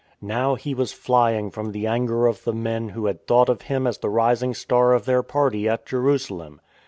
Now he was flying from the anger of the men who had thought of him as the rising star of their party at Jerusalem.